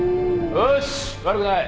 よし悪くない。